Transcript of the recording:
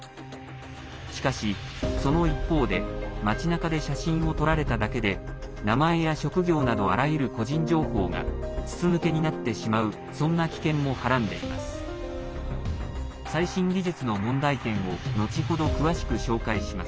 しかし、その一方で街なかで写真を撮られただけで名前や職業などあらゆる個人情報が筒抜けになってしまうそんな危険も、はらんでいます。